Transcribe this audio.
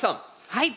はい。